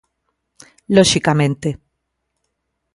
Loxicamente.